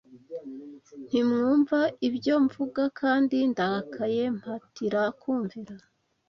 Ntimwumva ibyo mvuga, Kandi, ndakaye, mpatira kumvira